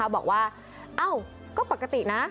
บอกว่าก็ปกตินะ